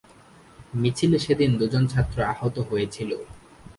মিছিলে সেদিন দুজন ছাত্র আহত হয়েছিল।